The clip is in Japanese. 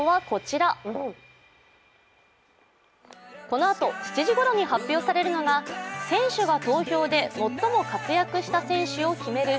このあと７時ごろに発表されるのが選手が投票で最も活躍した選手を決める